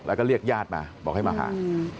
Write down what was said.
แล้วก็เรียกญาติมาบอกให้มาหา